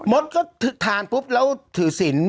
มดก็ทานปุ๊บแล้วถือศิลป